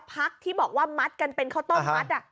พักที่บอกว่ามัดกันเป็นข้าวต้มมัด